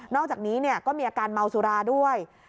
อกจากนี้ก็มีอาการเมาสุราด้วย